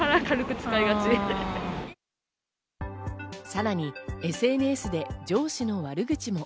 さらにＳＮＳで上司の悪口も